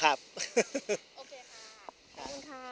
โอเคค่ะขอบคุณค่ะขอบคุณค่ะจากการที่มีทั่วผู้โดยสารเขาขอทวนวายใส่เรา